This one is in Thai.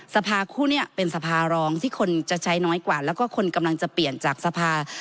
สภาคู่นี้เป็นสภารองที่คนจะใช้น้อยกว่าแล้วก็คนกำลังจะเปลี่ยนจากสภา